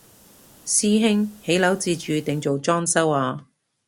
師兄起樓自住定做裝修啊？